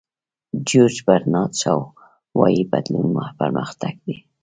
جیورج برنارد شاو وایي بدلون پرمختګ دی.